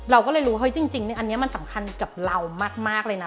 เราก็เลยรู้เฮ้ยจริงอันนี้มันสำคัญกับเรามากเลยนะ